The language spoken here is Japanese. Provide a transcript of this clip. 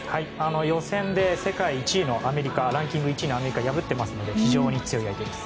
予選で世界１位のアメリカランキング１位のアメリカを破っていますので非常に強い相手です。